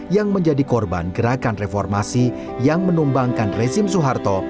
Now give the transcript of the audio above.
yang menjadi korban gerakan reformasi yang menumbangkan rezim soeharto